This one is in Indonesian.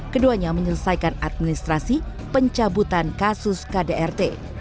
keduanya menyelesaikan administrasi pencabutan kasus kdrt